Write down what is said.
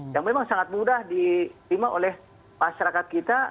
yang memang sangat mudah diterima oleh masyarakat kita